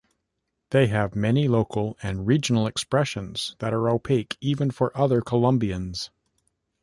They have many local and regional expressions that are opaque even for other Colombians.